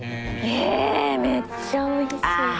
えぇめっちゃおいしい。